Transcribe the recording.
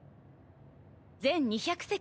全２００席。